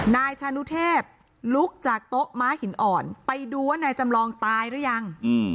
นายชานุเทพลุกจากโต๊ะม้าหินอ่อนไปดูว่านายจำลองตายหรือยัง